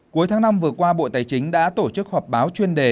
cuối tháng năm vừa qua bộ tài chính đã tổ chức họp báo chuyên đề